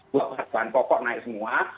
buat bahan pokok naik semua